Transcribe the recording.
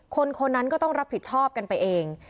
คนคนนั้นก็ต้องรับผิดชอบกันไปเอง